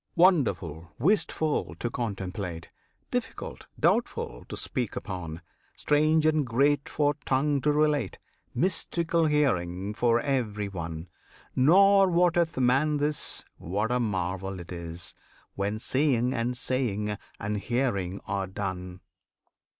Wonderful, wistful, to contemplate! Difficult, doubtful, to speak upon! Strange and great for tongue to relate, Mystical hearing for every one! Nor wotteth man this, what a marvel it is, When seeing, and saying, and hearing are done!